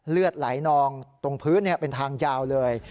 เลือดไหลนองตรงพื้นเป็นทางยาวเลย